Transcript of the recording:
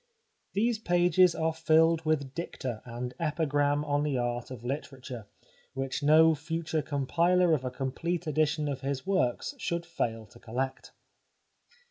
These pages are filled with dicta and epigram on the art of literature, which no future compiler of a complete edition of his works should fail to collect.